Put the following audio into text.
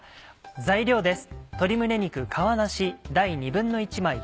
材料です。